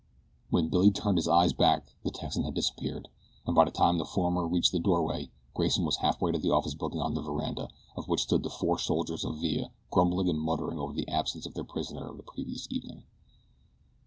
When Billy turned his eyes back the Texan had disappeared, and by the time the former reached the doorway Grayson was halfway to the office building on the veranda of which stood the four soldiers of Villa grumbling and muttering over the absence of their prisoner of the previous evening.